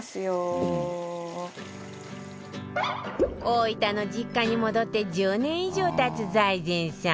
大分の実家に戻って１０年以上経つ財前さん